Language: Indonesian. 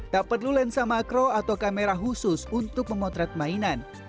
tak perlu lensa makro atau kamera khusus untuk memotret mainan